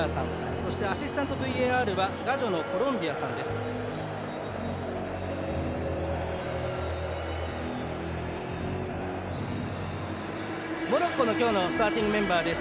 そして、アシスタントＶＡＲはガジョさんです。